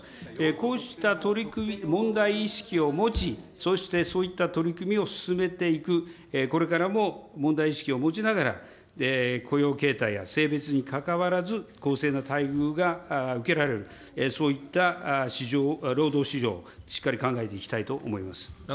こうした取り組み、問題意識を持ち、そして、そういった取り組みを進めていく、これからも問題意識を持ちながら、雇用形態や性別にかかわらず、公正な待遇が受けられる、そういった市場、労働市場をしっかり考えていきたいと思います。